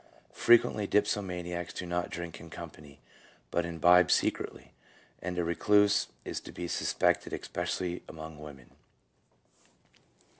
Frequently dipsomaniacs do not drink in company, but imbibe secretly; and a recluse is to be suspected, especially among women.